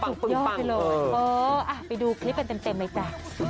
ปึ้งปังอ่ะไปดูคลิปเป็นเต็มเลยจ้ะ